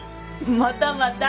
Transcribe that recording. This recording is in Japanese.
またまた。